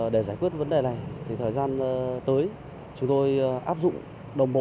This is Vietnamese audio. để giải quyết vấn đề này thời gian